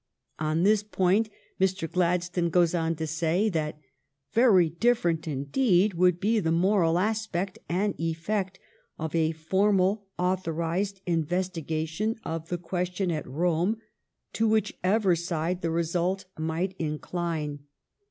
On this point Mr. Gladstone goes on to say that " very differ ent indeed would be the moral aspect and effect of a formal authorized investigation of the ques tion at Rome, to whichever side the result might 40S THE STORY OF GLADSTONE'S LIFE incline.